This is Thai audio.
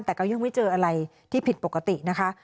แต่ก็ยังไม่เจออะไรที่ผิดปกตินะคะ